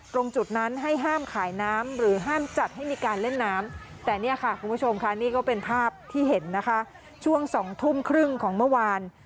ตรงจุดนั้นให้ห้ามขายน้ำหรือห้ามจัดให้มีการเล่นน้ำแต่เนี่ยค่ะคุณผู้ชมค่ะนี่ก็เป็นภาพที่เห็นนะคะช่วง๒ทุ่มครึ่งของเมื่อวาน